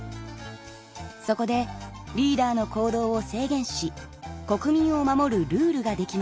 そこでリーダーの行動を制限し国民を守るルールができました。